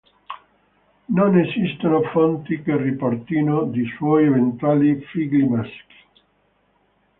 Non esistono fonti che riportino di suoi eventuali figli maschi.